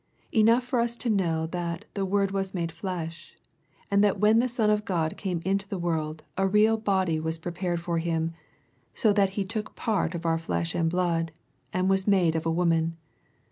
Enough for us to know that 'Hhe Word was made flesh," and that when the Son of Gtod came into the world, a real " body was prepared for Him," so that He " took part of our flesh and blood,*' and was " made of a woman."